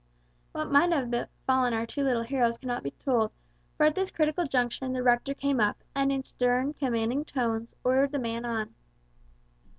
What might have befallen our two little heroes cannot be told, for at this critical juncture the rector came up, and in stern, commanding tones ordered the man on.